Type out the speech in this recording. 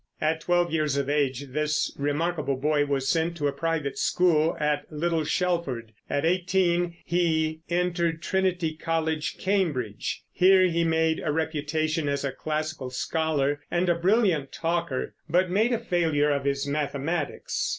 At twelve years of age this remarkable boy was sent to a private school at Little Shelford, and at eighteen he eqgered Trinity College, Cambridge. Here he made a reputation as a classical scholar and a brilliant talker, but made a failure of his mathematics.